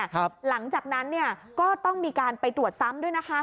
หลังจากนั้นเนี่ยก็ต้องมีการไปตรวจซ้ำด้วยนะคะ